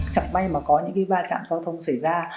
chẳng may mà có những cái va chạm giao thông xảy ra